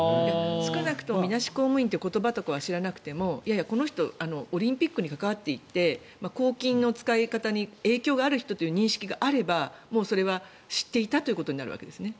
少なくともみなし公務員という言葉は知らなくてもこの人はオリンピックに関わっていて公金の使い方に影響がある人という認識があればそれは知っていたということになるわけですね。